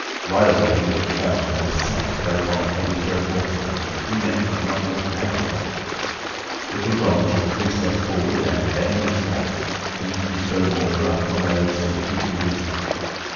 Wildly he looked about him, and his sight fell upon a heavy stone mortar, such as three men could not lift nowadays. Little John took three steps forward, and, bending his back, heaved the stone mortar up from where it stood deeply rooted.